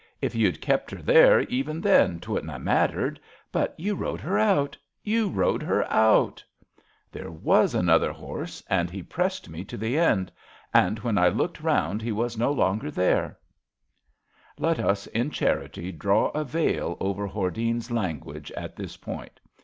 If you'd kept her there even then 'twouldn't ha' mattered. But you rode her out — you rode her outi "*^ There was another horse and he pressed me to the end, and when I looked round he was no longer there," Let us, in charity, draw a veil over Hordene's language at this point.